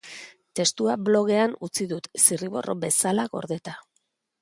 Testua blogean utzi dut, zirriborro bezala gordeta.